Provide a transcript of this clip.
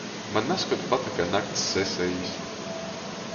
Maņ nazkod patyka nakts sesejis.